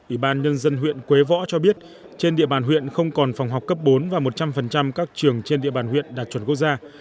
ủy ban nhân dân huyện quế võ cho biết trên địa bàn huyện không còn phòng học cấp bốn và một trăm linh các trường trên địa bàn huyện đạt chuẩn quốc gia